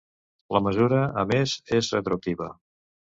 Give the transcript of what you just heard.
La mesura, a més, és retroactiva.